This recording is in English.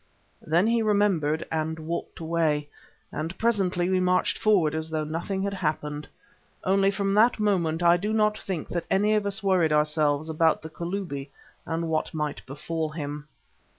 Then he remembered and walked away, and presently we marched forward as though nothing had happened. Only from that moment I do not think that any of us worried ourselves about the Kalubi and what might befall him.